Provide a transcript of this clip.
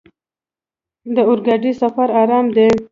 د اورګاډي سفر ارام دی.